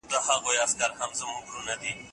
ټکنالوژي زموږ کارونه اسانه کړي دي.